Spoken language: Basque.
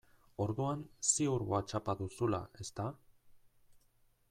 Orduan ziur Whatsapp-a duzula, ezta?